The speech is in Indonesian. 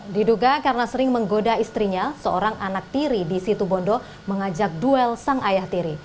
diduga karena sering menggoda istrinya seorang anak tiri di situ bondo mengajak duel sang ayah tiri